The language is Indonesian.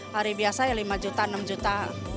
hari biasa ya lima juta enam juta